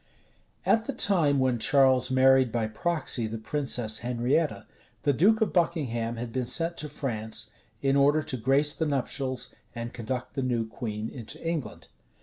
At the time when Charles married by proxy the princess Henrietta, the duke of Buckingham had been sent to France, in order to grace the nuptials, and conduct the new queen into England.